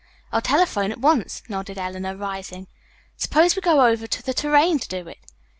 "I'll telephone at once," nodded Eleanor, rising. "Suppose we go over to the 'Tourraine' to do it."